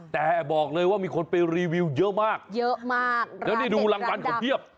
แต่บอกเลยว่ามีคนไปรีวิวเยอะมากแล้วนี้ดูรางวัลของเทียบ